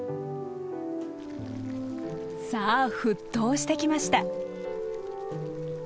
さあ沸騰してきました。